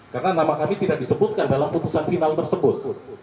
karena nama kami tidak disebutkan dalam putusan final tersebut